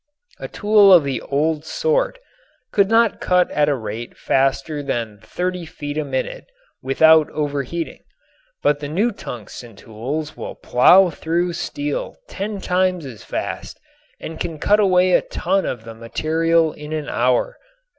A tool of the old sort could not cut at a rate faster than thirty feet a minute without overheating, but the new tungsten tools will plow through steel ten times as fast and can cut away a ton of the material in an hour.